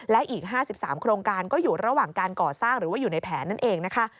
และอีก๕๓โครงการก็อยู่ระหว่างการก่อสร้างหรือว่าอยู่ในแผนนั่นเองนะคะ